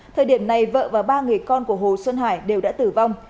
thời điểm này vợ và ba người con của hồ xuân hải đều đã tử vong